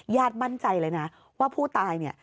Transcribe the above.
มั่นใจเลยนะว่าผู้ตายเนี่ย